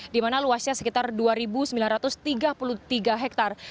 di mana luasnya sekitar dua sembilan ratus tiga puluh tiga hektare